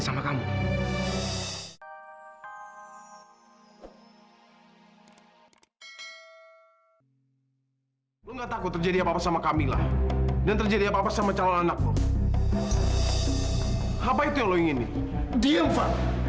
sampai jumpa di video selanjutnya